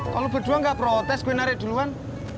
kalo berdua gak protes gue narik duluan